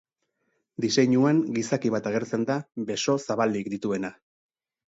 Diseinuan gizaki bat agertzen da beso zabalik dituena.